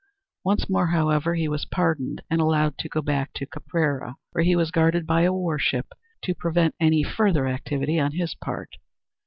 Once more, however, he was pardoned and allowed to go back to Caprera, where he was guarded by a warship to prevent any further activity on his part.